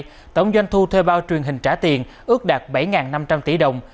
vào năm nay tổng doanh thu thuê bao truyền hình trả tiền ước đạt bảy năm trăm linh tỷ đồng